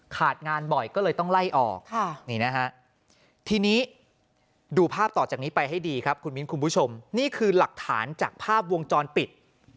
ขาดงานบ่อยก็เลยต้องไล่ออกนี่นะฮะทีนี้ดูภาพต่อจากนี้ไปให้ดีครับคุณมิ้นคุณผู้ชมนี่คือหลักฐานจากภาพวงจรปิด